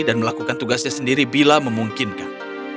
dan melakukan tugasnya sendiri bila memungkinkan